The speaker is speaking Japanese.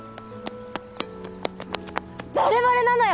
バレバレなのよ！